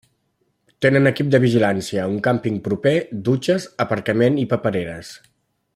Tenen equip de vigilància, un càmping proper, dutxes, aparcament i papereres.